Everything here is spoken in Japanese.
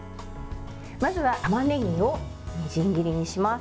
まずは、たまねぎをみじん切りにします。